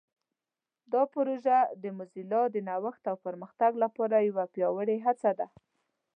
دا پروژه د موزیلا د نوښت او پرمختګ لپاره یوه پیاوړې هڅه ده.